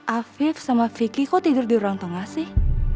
afif sama vicky kok tidur di ruang tengah sih